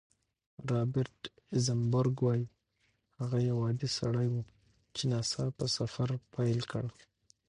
رابرټ ایزنبرګ وايي، هغه یو عادي سړی و چې ناڅاپه سفر پیل کړ.